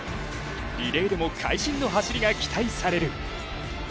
リレーでも会心の走りが期待される。